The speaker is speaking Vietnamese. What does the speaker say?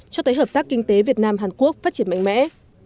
cho tới hợp tác kinh tế việt nam hàn quốc phát triển mạnh mẽ